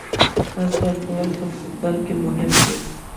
پاس ورکول په فوټبال کې مهم دي.